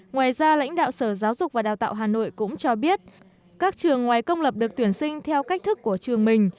ngoài ra lãnh đạo sở giáo dục và đào tạo hà nội cũng cho biết các trường ngoài công lập được tuyển sinh theo cách thức của trường mình